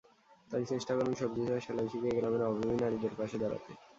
তাই চেষ্টা করেন সবজি চাষ, সেলাই শিখিয়ে গ্রামের অভাবী নারীদের পাশে দাঁড়াতে।